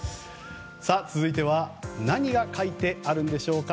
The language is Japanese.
続いては何が書いてあるんでしょうか。